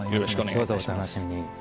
どうぞお楽しみに。